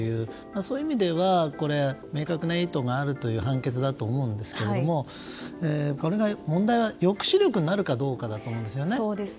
そういう意味では明確な意図があるという判決だと思うんですが問題は、これが抑止力になるかどうかだと思うんですよね。